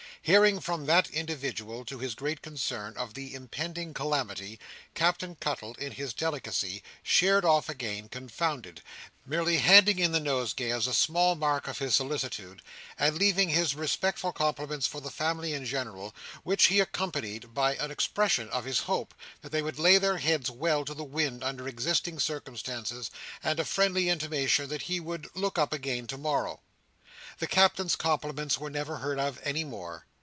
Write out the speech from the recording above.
Hearing from that individual, to his great concern, of the impending calamity, Captain Cuttle, in his delicacy, sheered off again confounded; merely handing in the nosegay as a small mark of his solicitude, and leaving his respectful compliments for the family in general, which he accompanied with an expression of his hope that they would lay their heads well to the wind under existing circumstances, and a friendly intimation that he would "look up again" to morrow. The Captain's compliments were never heard of any more.